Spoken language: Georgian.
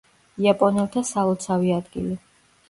იაპონელთა სალოცავი ადგილი.